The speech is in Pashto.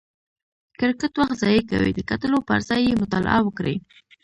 کرکټ وخت ضایع کوي، د کتلو پر ځای یې مطالعه وکړئ!